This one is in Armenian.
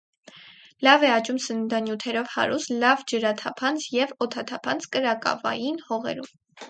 Լավ է աճում սննդանյութերով հարուստ, լավ ջրաթափանց և օդաթափանց, կրակավային հողերում։